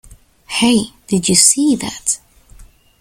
Hey! Did you see that?